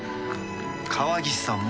川岸さんも。